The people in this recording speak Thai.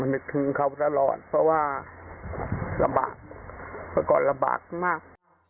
นึกถึงเขาตลอดเพราะว่าลำบากเมื่อก่อนลำบากมาก